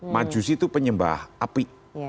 majusi itu penyembah api